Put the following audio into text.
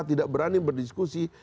tidak berani berdiskusi